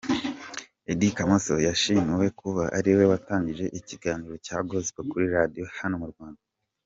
Eddy Kamoso: Yashimiwe kuba ariwe watangije ikiganiro cya Gospel kuri Radio hano mu Rwanda.